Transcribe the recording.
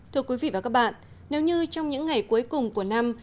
thưa quý vị và các bạn nếu như trong những ngày cuối cùng của năm